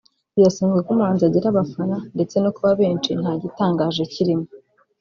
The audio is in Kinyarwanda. Birasanzwe ko umuhanzi agira abafana ndetse no kuba benshi nta gitangaje kirimo